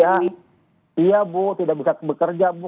iya iya bu tidak bisa bekerja bu